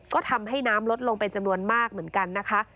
ก็ทำให้น้ำลดลงเป็นจำนวนมากเหมือนกันนะคะ